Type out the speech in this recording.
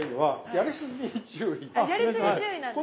やりすぎ注意なんですね。